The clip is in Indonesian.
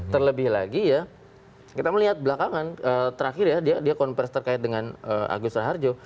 terlebih lagi ya kita melihat belakangan terakhir ya dia konversi terkait dengan agus raharjo